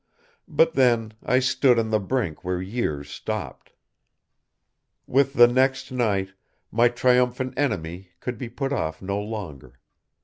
But then, I stood on the brink where years stopped. With the next night, my triumphant enemy could be put off no longer.